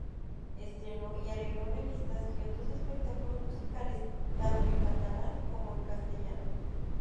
Estrenó y arregló revistas y otros espectáculos musicales, tanto en catalán como en castellano.